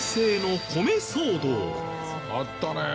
あったねー！